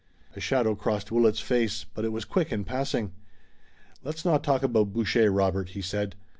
A shadow crossed Willet's face, but it was quick in passing. "Let's not talk about Boucher, Robert," he said.